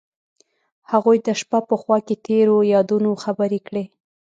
هغوی د شپه په خوا کې تیرو یادونو خبرې کړې.